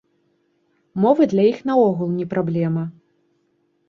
Мовы для іх наогул не праблема.